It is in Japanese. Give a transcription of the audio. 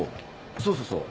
そうそうそう。